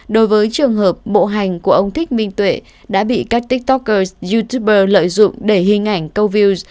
đối với trường hợp bộ hành của ông thích minh tuệ đã bị các tiktoker youtuber lợi dụng để hình ảnh câu view